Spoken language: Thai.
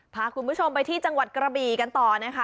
พาคุณผู้ชมไปที่จังหวัดกระบีกันต่อนะคะ